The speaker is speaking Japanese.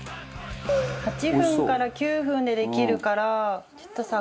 ８分から９分でできるからちょっとさ